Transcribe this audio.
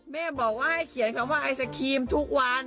แม่บอกว่าให้เขียนคำว่าไอศครีมทุกวัน